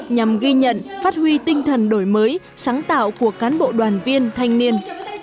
nhằm ghi nhận phát huy tinh thần đổi mới sáng tạo của cán bộ đoàn viên thanh niên